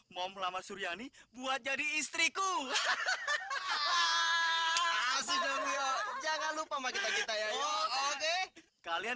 mau melamar suryani buat jadi istriku hahaha asli dong yo jangan lupa makita kita ya oke kalian